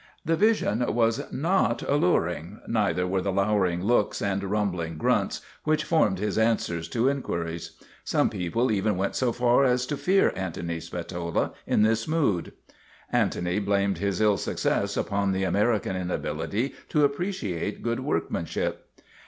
The vision was not alluring, neither were the lowering looks and rumbling grunts which formed his an swers to inquiries. Some people even went so far as to fear Antony Spatola in this mood. Antony blamed his ill success upon the American inability to appreciate good workmanship.